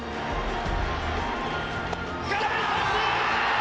空振り三振！